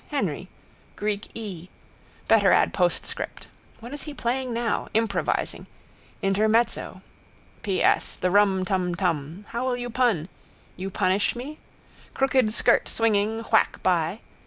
Henry. Greek ee. Better add postscript. What is he playing now? Improvising. Intermezzo. P. S. The rum tum tum. How will you pun? You punish me? Crooked skirt swinging, whack by.